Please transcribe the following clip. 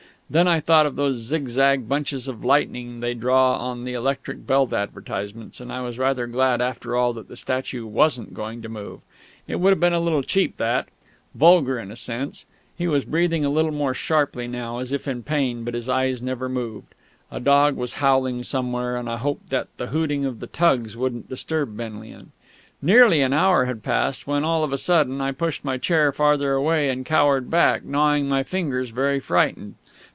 Then I thought of those zigzag bunches of lightning they draw on the electric belt advertisements, and I was rather glad after all that the statue wasn't going to move. It would have been a little cheap, that ... vulgar, in a sense.... He was breathing a little more sharply now, as if in pain, but his eyes never moved. A dog was howling somewhere, and I hoped that the hooting of the tugs wouldn't disturb Benlian.... Nearly an hour had passed when, all of a sudden, I pushed my chair farther away and cowered back, gnawing my fingers, very frightened.